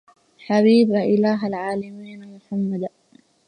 حبيب إله العالمين محمد